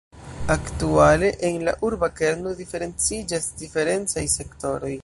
Aktuale, en la urba kerno diferenciĝas diferencaj sektoroj.